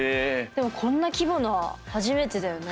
でもこんな規模のは初めてだよね。